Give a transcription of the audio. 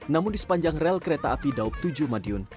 namun di sepanjang rel kereta api daup tujuh madiun